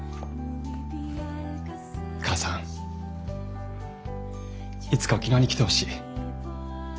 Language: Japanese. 母さんいつか沖縄に来てほしい。